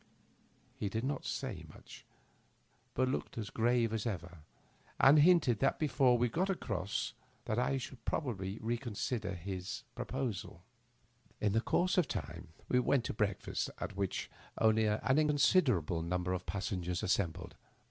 He did not say much, but looked as grave as ever, and hinted that before we got across I Digitized by VjOOQIC 30 THE UPPER BERTH, should probably reconsider his proposal. In the conrse of time we went to breakfast, at which only an inconsid erable number of passengers assembled.